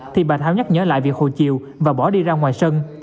thì bà thao nhắc nhớ lại việc hồi chiều và bỏ đi ra ngoài sân